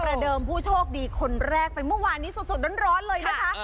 เดิมผู้โชคดีคนแรกไปเมื่อวานนี้สดร้อนเลยนะคะ